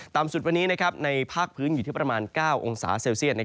ต่ำสุดวันนี้ในภาคพื้นอยู่ที่ประมาณ๙องศาเซลเซียต